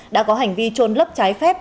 đã có hành vi trôn lấp trái phép